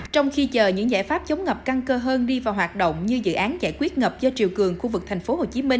trong khi chờ những giải pháp chống ngập căng cơ hơn đi vào hoạt động như dự án giải quyết ngập do triều cường khu vực tp hcm